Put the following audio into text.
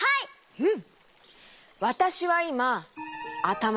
うん。